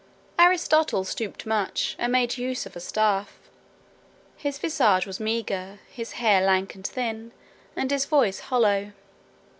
Aristotle stooped much, and made use of a staff. His visage was meagre, his hair lank and thin, and his voice hollow.